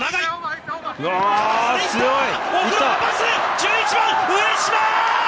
１１番、上嶋！